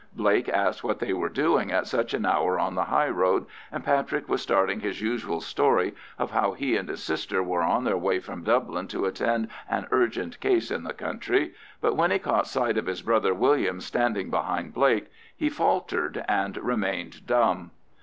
Blake asked what they were doing at such an hour on the highroad, and Patrick was starting his usual story of how he and his sister were on their way from Dublin to attend an urgent case in the country, but when he caught sight of his brother William standing behind Blake, he faltered and remained dumb.